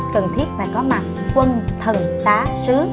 cần thiết phải có mặt quân thần tá sứ